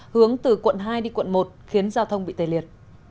hướng từ quận hai đi quận một khiến giao thông bị tê liệt